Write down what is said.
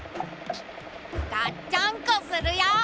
がっちゃんこするよ！